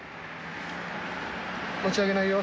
持ち上げないよ。